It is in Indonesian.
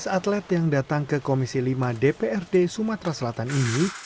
dua belas atlet yang datang ke komisi lima dprd sumatera selatan ini